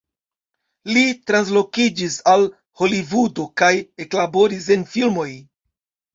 Li translokiĝis al Holivudo kaj eklaboris en filmoj.